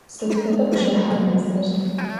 Sıd feda bjjıhem mezır?